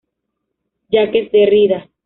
Jacques Derrida.